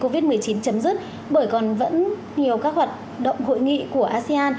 các sáng kiến sẽ được triển khai sau khi dịch covid một mươi chín chấm dứt bởi còn vẫn nhiều các hoạt động hội nghị của asean